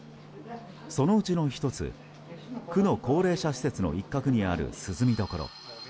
そのうちの１つ区の高齢者施設の一角にある涼み処。